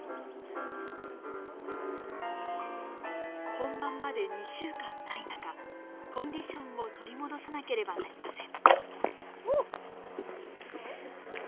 本番まで２週間ない中コンディションを取り戻さなければなりません。